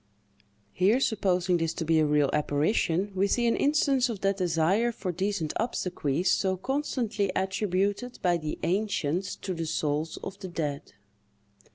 Here, supposing this to be a real apparition, we see an instance of that desire for decent obsequies so constantly attributed by the ancients to the souls of the dead.